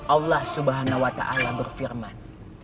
allah subhanahu wa ta'ala berfirman